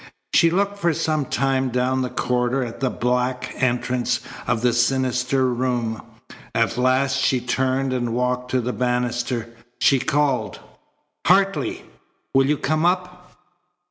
She looked for some time down the corridor at the black entrance of the sinister room. At last she turned and walked to the banister. She called: "Hartley! Will you come up?"